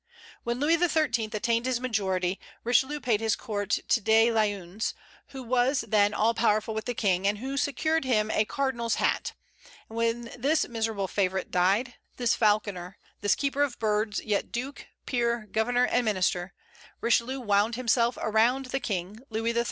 When Louis XIII. attained his majority, Richelieu paid his court to De Luynes, who was then all powerful with the King, and who secured him a cardinal's hat; and when this miserable favorite died, this falconer, this keeper of birds, yet duke, peer, governor, and minister, Richelieu wound himself around the King, Louis XIII.